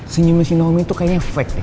senyumnya si naomi tuh kayaknya fake deh